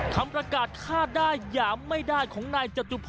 คำระกาศค่าใดหยามไม่ใดของนายจัตุพร